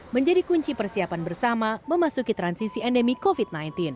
menjadi kunci persiapan bersama memasuki transisi endemi covid sembilan belas